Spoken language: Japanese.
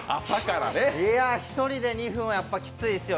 一人で２分はきついですよ。